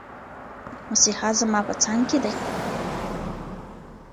مسیحا زما په څنګ کې دی.